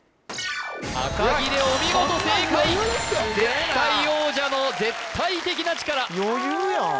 あかぎれお見事正解絶対王者の絶対的な力余裕やんあ